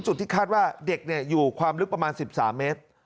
จุดที่คาดว่าเด็กอยู่ความลึกประมาณ๑๓เมตร